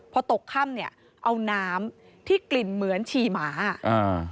พอตกค่ำเนี่ยเอาน้ำที่กลิ่นเหมือนฉี่หมาอ่า